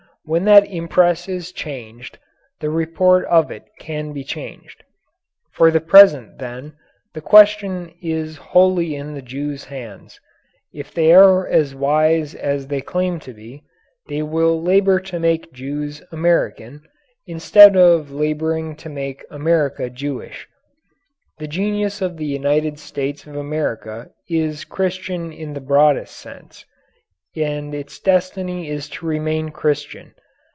When that impress is changed, the report of it can be changed. For the present, then, the question is wholly in the Jews' hands. If they are as wise as they claim to be, they will labour to make Jews American, instead of labouring to make America Jewish. The genius of the United States of America is Christian in the broadest sense, and its destiny is to remain Christian.